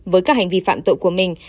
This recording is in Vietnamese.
với các hành vi phạm tội của mình